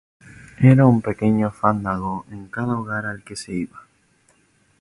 Era un pequeño fandango en cada hogar al que se iba.